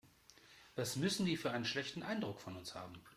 Was müssen die für einen schlechten Eindruck von uns haben.